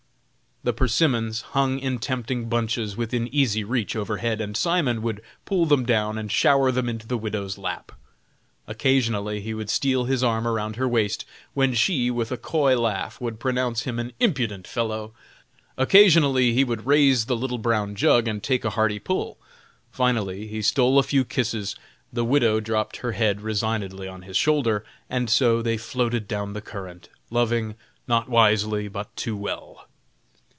The persimmons hung in tempting bunches within easy reach overhead, and Simon would pull them down and shower them into the widow's lap. Occasionally he would steal his arm around her waist, when she, with a coy laugh, would pronounce him an "impudent fellow." Occasionally he would raise the little brown jug and take a hearty pull; finally he stole a few kisses, the widow dropped her head resignedly on his shoulder, and so they floated down the current, loving "not wisely, but too well."